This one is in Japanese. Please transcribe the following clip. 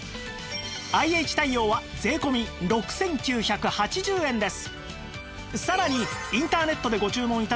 ＩＨ 対応は税込６９８０円です